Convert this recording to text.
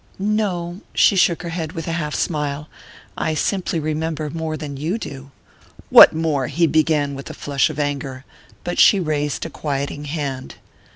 "No." She shook her head with a half smile. "I simply remember more than you do." "What more?" he began with a flush of anger; but she raised a quieting hand.